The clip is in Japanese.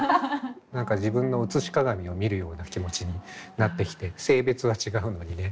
何か自分の映し鏡を見るような気持ちになってきて性別は違うのにね。